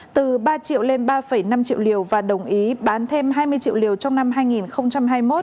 từ ba triệu lên ba năm triệu liều và đồng ý bán thêm hai mươi triệu liều trong năm hai nghìn hai mươi một